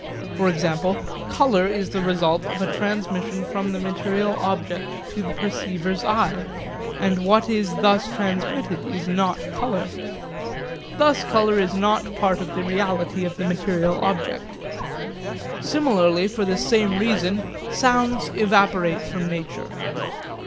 For example, colour is the result of a transmission from the material object to the perceiver's eye; and what is thus transmitted is not colour. Thus colour is not part of the reality of the material object. Similarly for the same reason sounds evaporate from nature.